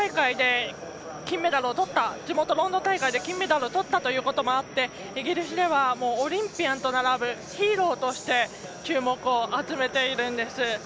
地元ロンドン大会で金メダルをとったということでイギリスではオリンピアンと並ぶヒーローとして注目を集めているんです。